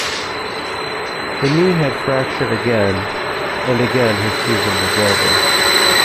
The knee had fractured again and again his season was over.